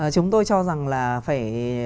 chúng tôi cho rằng là phải